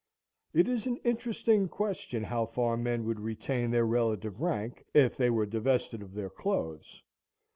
It is an interesting question how far men would retain their relative rank if they were divested of their clothes.